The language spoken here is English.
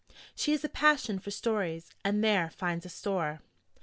She has a passion for stories: and there finds a store.